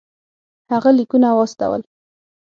هغه لیکونه واستول.